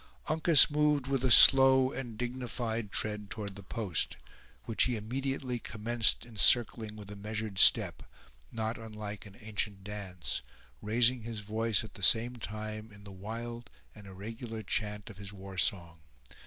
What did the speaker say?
Uncas moved with a slow and dignified tread toward the post, which he immediately commenced encircling with a measured step, not unlike an ancient dance, raising his voice, at the same time, in the wild and irregular chant of his war song.